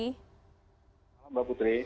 selamat malam mbak putri